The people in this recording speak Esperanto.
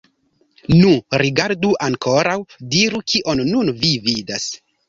Nu, rigardu ankoraŭ, diru, kion nun vi vidas?